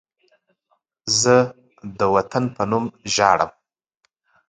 زه د وطن په نوم ژاړم